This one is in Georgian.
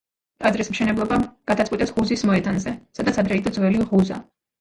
ტაძრის მშენებლობა გადაწყვიტეს ღუზის მოედანზე, სადაც ადრე იდო ძველი ღუზა.